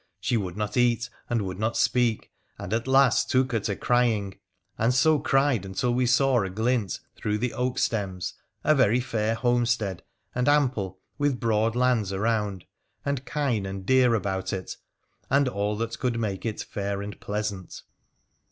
She would not eat ar would not speak, and at last took her to crying, and so eric until we saw, aglint through the oak stems, a very fair horn etead and ample, with broad lands around, and kine and dei about it, and all that could make it fair and pleasant.